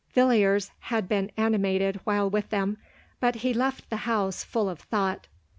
\ illiers had been animated while with them, but lie left the house full of thought.